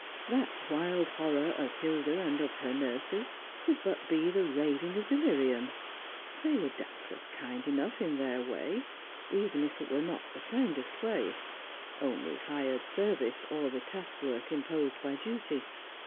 That wild horror of Hilda and of her nurses could but be the raving of delirium. They were doubtless kind enough in their way — even if it were not the kindest way — only hired service, or the task work imposed by duty.